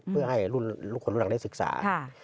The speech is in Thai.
เพื่อให้ลูกขนลูกหลังได้ศึกษา